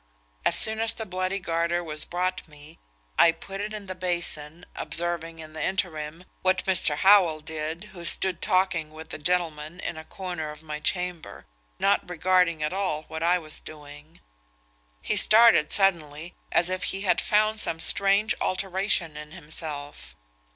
As soon as the bloody garter was brought me, I put it in the basin, observing, in the interim, what Mr. Howell did, who stood talking with a gentleman in a corner of my chamber, not regarding at all what I was doing. He started suddenly, as if he had found some strange alteration in himself.